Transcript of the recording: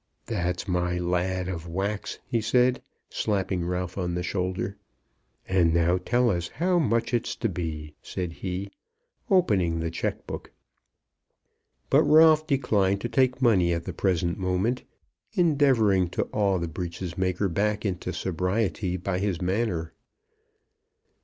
"That's my lad of wax," he said, slapping Ralph on the shoulder. "And now tell us how much it's to be," said he, opening the cheque book. But Ralph declined to take money at the present moment, endeavouring to awe the breeches maker back into sobriety by his manner.